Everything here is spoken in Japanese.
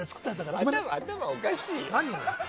頭おかしいよ。